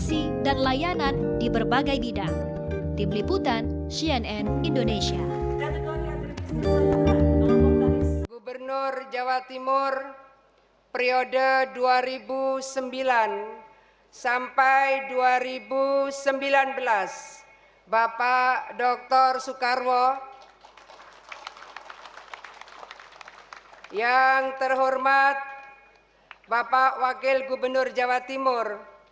dua ribu sembilan sampai dua ribu sembilan belas bapak dr soekarwo yang terhormat bapak wakil gubernur jawa timur